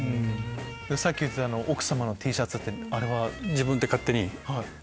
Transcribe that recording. さっき言ってた奥様のＴシャツってあれは？